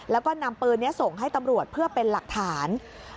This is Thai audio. แล้วก็นำปืนนี้ส่งให้ตำรวจเพื่อเป็นหลักฐาน